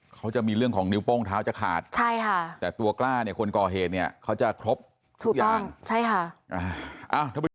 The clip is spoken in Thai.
เขาจะมีเรื่องของนิ้วโป้งเท้าจะขาดใช่ค่ะแต่ตัวกล้าเนี่ยคนก่อเหตุเนี่ยเขาจะครบทุกอย่างใช่ค่ะ